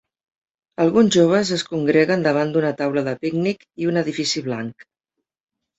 Alguns joves es congreguen davant d'una taula de pícnic i un edifici blanc.